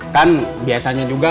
kan biasanya cuma